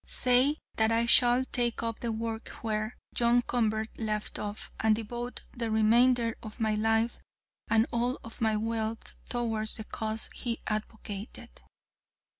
Say that I shall take up the work where John Convert left off, and devote the remainder of my life and all of my wealth towards the cause he advocated.'"